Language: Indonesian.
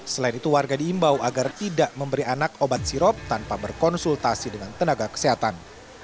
selain itu warga diimbau agar tidak memberi anak obat sirop tanpa berkonsultasi dengan tenaga kesehatan